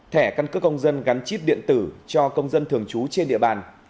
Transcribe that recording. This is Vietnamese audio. thẻ căn cước công dân gắn chip điện tử cho công dân thường trú trên địa bàn